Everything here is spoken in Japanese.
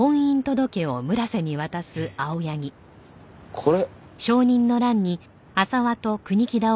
これ。